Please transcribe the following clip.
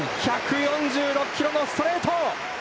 １４６キロのストレート！